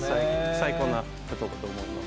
最高なことばだと思います。